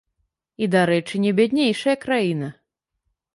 І, дарэчы, не бяднейшая краіна!